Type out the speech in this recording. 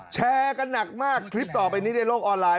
แชร์กันหนักมากคลิปต่อไปนี้ในโลกออนไลน